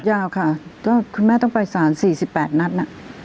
ยาวค่ะคุณแม่ต้องไปศาล๔๘นัดนะ